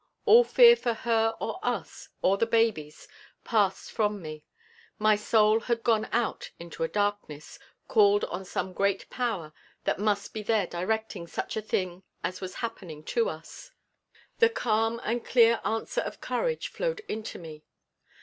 All fear for her or us or the babies passed from me. My soul had gone out into a darkness, called on some great Power that must be there directing such a thing as was happening to us, and calm and clear the answer of courage flowed into me.